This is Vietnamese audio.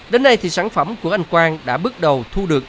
đến nay thì sản phẩm của anh quang đã bước đầu thu được